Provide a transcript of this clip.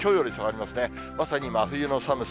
まさに真冬の寒さ。